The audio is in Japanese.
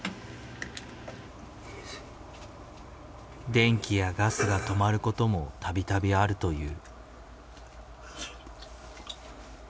電気やガスが止まることも度々あるという。